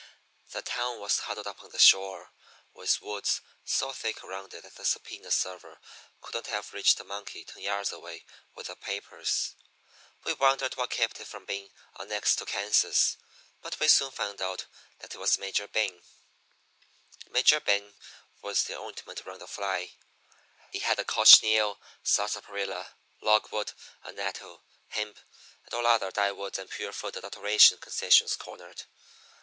The town was huddled up on the shore, with woods so thick around it that a subpoena server couldn't have reached a monkey ten yards away with the papers. We wondered what kept it from being annexed to Kansas; but we soon found out that it was Major Bing. "Major Bing was the ointment around the fly. He had the cochineal, sarsaparilla, log wood, annatto, hemp, and all other dye woods and pure food adulteration concessions cornered.